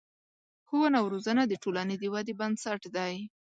ښوونه او روزنه د ټولنې د ودې بنسټ دی.